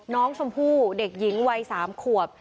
น้องชมพู่เด็กหญิงวัย๓ขวบ